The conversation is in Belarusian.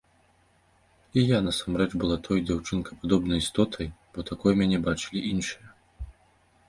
І я насамрэч была той дзяўчынкападобнай істотай, бо такой мяне бачылі іншыя.